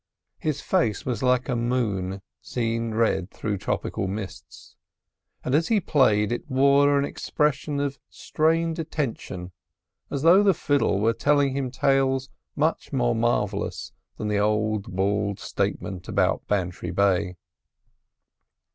His face was like a moon, seen red through tropical mists; and as he played it wore an expression of strained attention as though the fiddle were telling him tales much more marvellous than the old bald statement about Bantry Bay.